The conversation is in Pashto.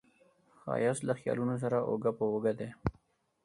ښایست له خیالونو سره اوږه په اوږه دی